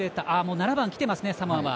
７番、きてますね、サモア。